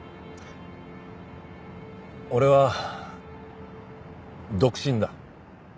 俺は独身だ。